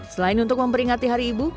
selain untuk memperingati hari ibu